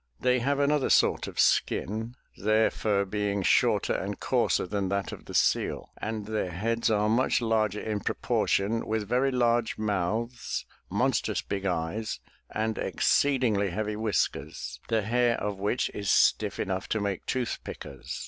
They have another sort of skin, their fur being shorter and coarser than that of the seal, and their heads are much larger in proportion, with very large mouths, monstrous big eyes and exceedingly heavy whiskers, the hair of which is stiff enough to make tooth pickers.